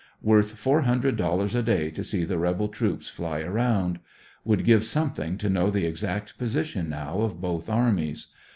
Worth four hundred dollars a day to see the rebel troops fly around. Would give i^ome thing to know the exact position now of both armies.